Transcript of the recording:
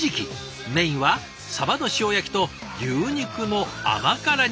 メインはさばの塩焼きと牛肉の甘辛煮。